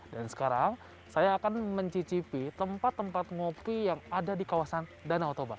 dan sekarang saya akan mencicipi tempat tempat kopi yang ada di kawasan danau toba